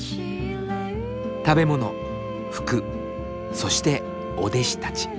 食べ物服そしてお弟子たち。